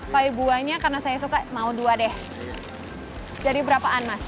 pai buahnya karena saya suka mau dua deh jadi berapaan mas